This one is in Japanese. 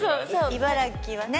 茨城はね